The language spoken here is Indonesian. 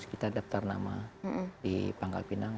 kita daftar nama di pangkal pinang